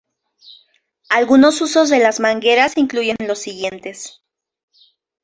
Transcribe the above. Algunos usos de las mangueras incluyen los siguientes